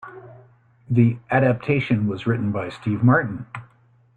The adaptation was written by Steve Martin.